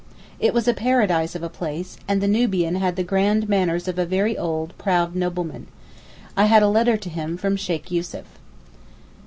It was a paradise of a place, and the Nubian had the grand manners of a very old, proud nobleman. I had a letter to him from Sheykh Yussuf.